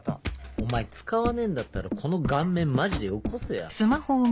お前使わねえんだったらこの顔面マジでよこせや。